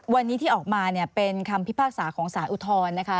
วันนี้ที่ออกมาเนี่ยเป็นคำพิพากษาของสารอุทธรณ์นะคะ